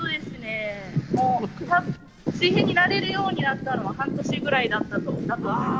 水平になれるようになったのは半年ぐらいだったと思います。